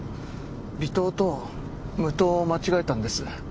微糖と無糖を間違えたんです。